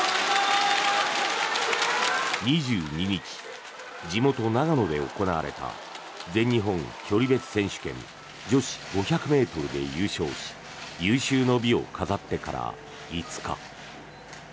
２２日、地元・長野で行われた全日本距離別選手権女子５００ｍで優勝し有終の美を飾ってから５日。